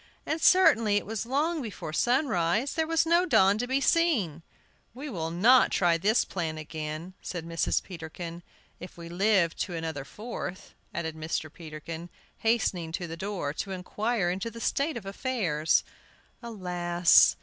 And certainly it was long before sunrise; there was no dawn to be seen! "We will not try this plan again," said Mrs. Peterkin. "If we live to another Fourth," added Mr. Peterkin, hastening to the door to inquire into the state of affairs. Alas!